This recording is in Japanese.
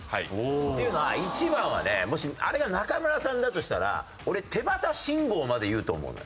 っていうのは１番はねもしあれが中村さんだとしたら俺「手旗信号」まで言うと思うの。